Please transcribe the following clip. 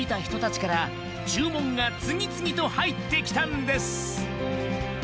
燭舛注文が次々と入ってきたんです